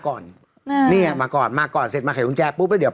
ก่อนอืมเนี่ยมาก่อนมาก่อนเสร็จมาไขกุญแจปุ๊บแล้วเดี๋ยว